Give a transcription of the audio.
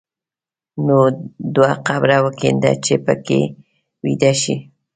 نو دوه قبره وکینده چې په کې ویده شې.